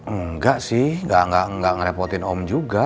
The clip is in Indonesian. enggak sih nggak ngerepotin om juga